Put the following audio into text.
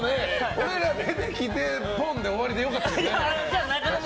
俺らが出てきてポンで終わりで良かったけどね。